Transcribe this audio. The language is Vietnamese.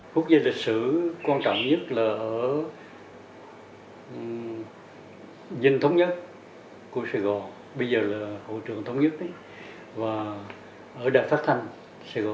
quốc gia lịch sử quan trọng nhất là ở dinh thống nhất của sài gòn bây giờ là hội trưởng thống nhất và ở đài phát thanh sài gòn